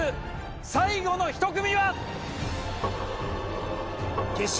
最後の一組は。